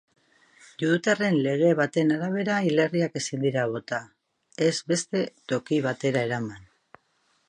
Judutarren lege baten arabera hilerriak ezin dira bota, ez beste toki batera eraman.